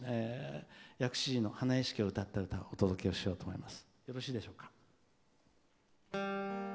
薬師寺の花会式を歌った曲をお届けしようと思います。